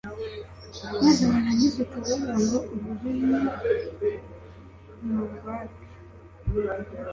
maze warangiza ukavuga ngo ururimi nurwacu